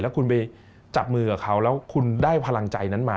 แล้วคุณไปจับมือกับเขาแล้วคุณได้พลังใจนั้นมา